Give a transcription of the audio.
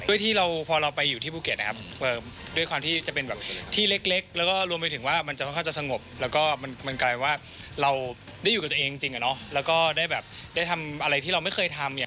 ที่เราพอเราไปอยู่ที่ภูเก็ตนะครับผมด้วยความที่จะเป็นแบบที่เล็กแล้วก็รวมไปถึงว่ามันจะค่อนข้างจะสงบแล้วก็มันกลายว่าเราได้อยู่กับตัวเองจริงอะเนาะแล้วก็ได้แบบได้ทำอะไรที่เราไม่เคยทำเนี่ย